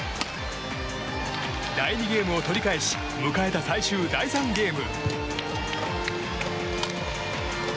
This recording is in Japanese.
第２ゲームを取り返し迎えた最終第３ゲーム。